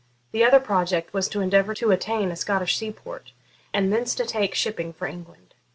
The other project was to endeavour to attain a Scottish seaport, and thence to take shipping for England.